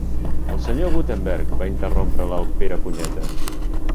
El senyor Gutenberg! —va interrompre-la el Perepunyetes.